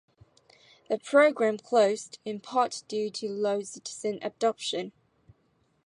The program closed in part due to low citizen adoption.